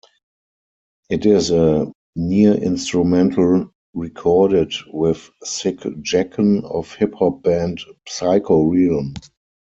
It is a near-instrumental recorded with Sick Jacken of hip-hop band Psycho Realm.